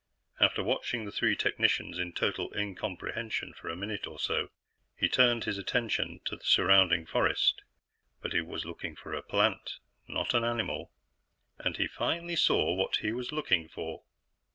After watching the three technicians in total incomprehension for a minute or so, he turned his attention to the surrounding forest. But he was looking for a plant, not an animal. And he finally saw what he was looking for.